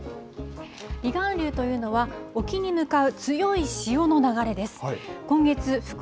こちら離岸流というのは、沖に向かう強い潮の流れです。